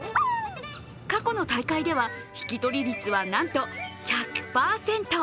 過去の大会では引き取り率はなんと１００％。